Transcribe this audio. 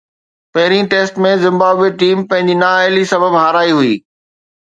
پهرين test ۾ Zimbabwe team پنهنجي نااهلي سبب هارائي هئي